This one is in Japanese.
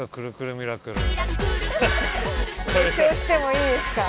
熱唱してもいいですか？